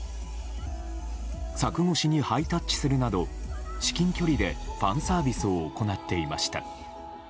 柵越しにハイタッチするなど至近距離でファンサービスを行っていました。